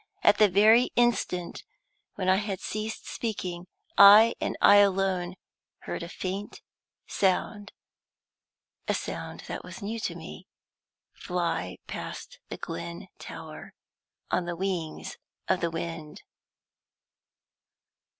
At the very instant when I had ceased speaking, I, and I alone, heard a faint sound a sound that was new to me fly past the Glen Tower on the wings of the wind.